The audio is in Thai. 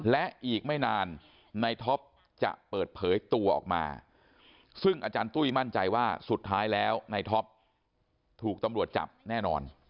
และอีกไม่นานในท็อปจะเปิดเผยตัวออกมาซึ่งอาจารย์ตุ้ยมั่นใจว่าสุดท้ายแล้วในท็อปถูกตำรวจจับแน่นอน